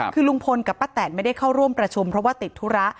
คือลุงพลกับป้าแตนไม่ได้เข้าร่วมประชุมเพราะว่าติดธุระ